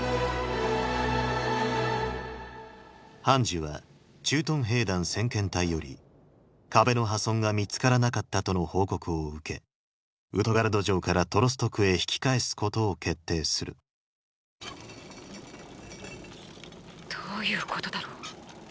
ハンジは駐屯兵団先遣隊より壁の破損が見つからなかったとの報告を受けウトガルド城からトロスト区へ引き返すことを決定するどういうことだろう。